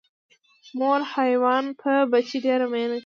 مور حیوان په بچي ډیره مینه کوي